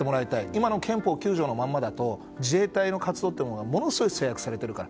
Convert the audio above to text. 今の憲法９条のままだと自衛隊の活動はものすごい制約されているから。